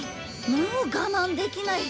もう我慢できない！